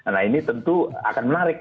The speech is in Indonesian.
nah ini tentu akan menarik